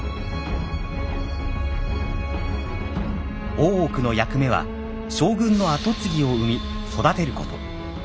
大奥の役目は将軍の跡継ぎを産み育てること。